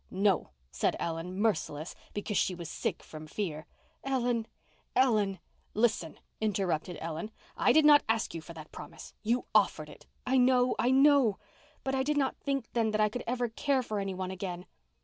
"No," said Ellen, merciless, because she was sick from fear. "Ellen—Ellen—" "Listen," interrupted Ellen. "I did not ask you for that promise. You offered it." "I know—I know. But I did not think then that I could ever care for anyone again."